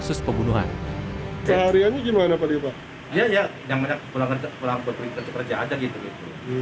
khusus pembunuhan seharian gimana pak ya ya yang banyak pulang kerja kerja aja gitu